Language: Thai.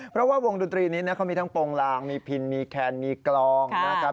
เพราะว่าวงดนตรีนี้เขามีทั้งโปรงลางมีพินมีแคนมีกลองนะครับ